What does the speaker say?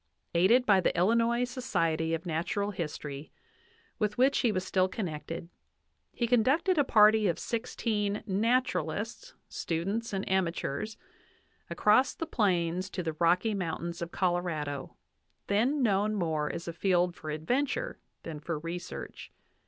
Aided by the Illinois Society of Natural History, with which he was still connected, he conducted a party of sixteen "naturalists, students, and amateurs" across the plains to the Rocky Moun tains of Colorado, then known more as a field for adventure than for research.